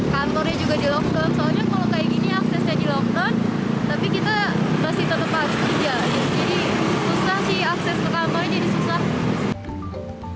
kantornya juga di lockdown soalnya kalau kayak gini aksesnya di lockdown tapi kita masih tetap harus kerja jadi susah sih akses ke kamarnya jadi susah